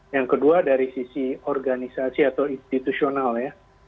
yang kedua dari sisi organisasi atau institusional ya